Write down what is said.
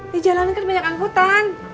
di jalan kan banyak angkutan